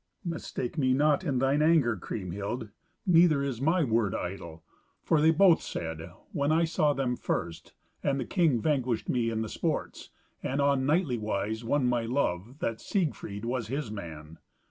"Mistake me not in thine anger, Kriemhild. Neither is my word idle; for they both said, when I saw them first, and the king vanquished me in the sports, and on knightly wise won my love, that Siegfried was his man.